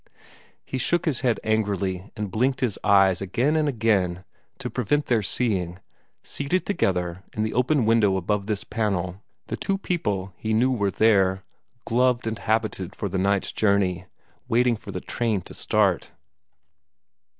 He shook his head angrily and blinked his eyes again and again, to prevent their seeing, seated together in the open window above this panel, the two people he knew were there, gloved and habited for the night's journey, waiting for the train to start.